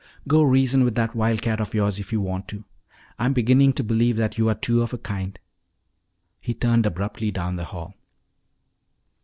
"Go reason with that wildcat of yours if you want to. I'm beginning to believe that you are two of a kind." He turned abruptly down the hall.